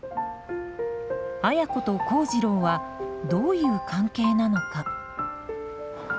綾子と幸次郎はどういう関係なのか。